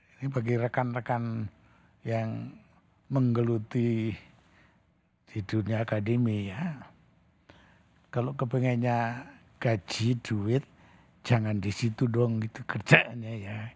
ini bagi rekan rekan yang menggeluti di dunia akademi ya kalau kepengennya gaji duit jangan di situ dong gitu kerjanya ya